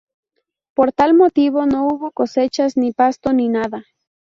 Por tal motivo, no hubo cosechas, ni pasto, ni nada.